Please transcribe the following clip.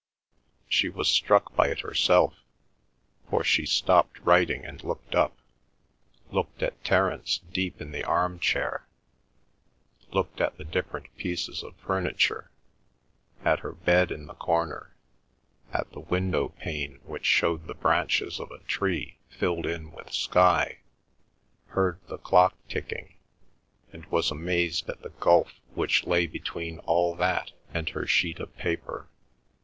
She was struck by it herself, for she stopped writing and looked up; looked at Terence deep in the arm chair, looked at the different pieces of furniture, at her bed in the corner, at the window pane which showed the branches of a tree filled in with sky, heard the clock ticking, and was amazed at the gulf which lay between all that and her sheet of paper.